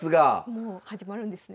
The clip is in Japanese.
もう始まるんですね。